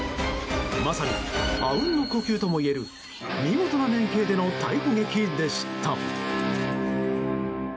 まさにあうんの呼吸ともいえる見事な連携での逮捕劇でした。